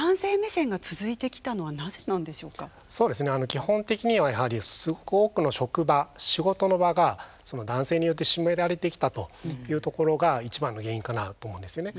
基本的にはやはりすごく多くの職場仕事の場が男性によって占められてきたというところが一番の原因かなと思うんですよね。